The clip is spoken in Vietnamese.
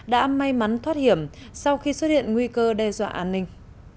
đã may mắn thoát hiểm sau khi xuất hiện nguy cơ đe dọa an ninh